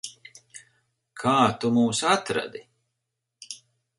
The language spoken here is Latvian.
Kā tu mūs atradi?